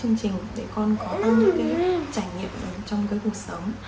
gia đình cũng muốn cho con tham gia những chương trình để con có tất nhiên trải nghiệm trong cuộc sống